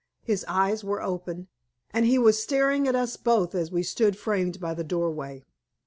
His eyes were open, and he was staring at us both as we stood framed by the doorway.